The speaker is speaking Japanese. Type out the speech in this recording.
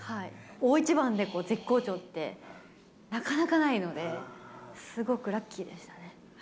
大一番で絶好調ってなかなかないので、すごくラッキーでしたね。